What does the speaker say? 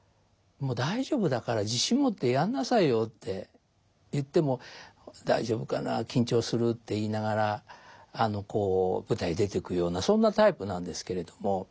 「もう大丈夫だから自信持ってやんなさいよ」って言っても「大丈夫かな？緊張する」って言いながらこう舞台出ていくようなそんなタイプなんですけれども。